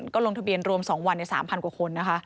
ก็ลงทะเบียนรวม๒วันใน๓๐๐กว่าคนนะคะ